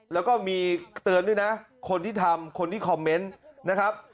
แล้วก็มีเตือนด้วยนะคนที่ทำคนที่คอมเมนต์นะครับ